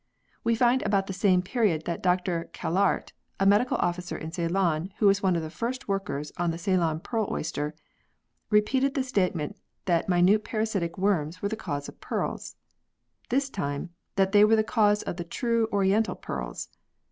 We find about the same period that Or Kelaart, a medical officer in Ceylon, Avho was one of the first workers on the Ceylon pearl oyster, repeated the statement that minute parasitic worms were the cause of pearls. This time that they were the cause of the true oriental pearls.